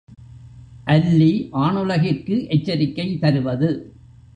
அல்லி ஆணுலகிற்கு எச்சரிக்கை தருவது.